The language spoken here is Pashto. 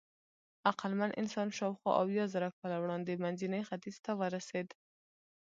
عقلمن انسان شاوخوا اویازره کاله وړاندې منځني ختیځ ته ورسېد.